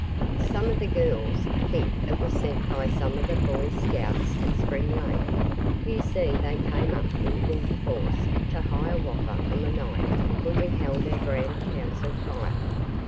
"Some of the girls think it was sent by some of the Boy Scouts at Spring Lake. You see they came up in full force to Hiawatha on the night when we held our Grand Council Fire.